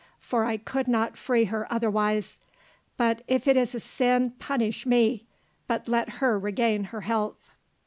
For I could not free her otherwise; but if it is a sin, punish me, but let her regain her health."